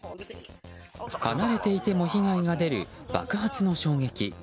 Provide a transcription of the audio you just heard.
離れていても被害が出る爆発の衝撃。